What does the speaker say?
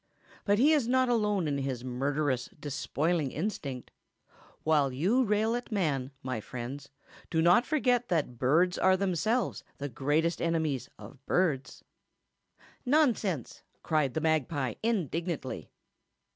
But he is not alone in his murderous, despoiling instinct. While you rail at man, my friends, do not forget that birds are themselves the greatest enemies of birds." "Nonsense!" cried the magpie, indignantly.